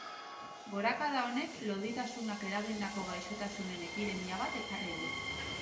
Gorakada honek, loditasunak eragindako gaixotasunen epidemia bat ekarri du.